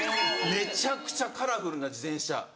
めちゃくちゃカラフルな自転車が。